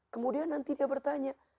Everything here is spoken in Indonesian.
kemudian nanti dia bertanya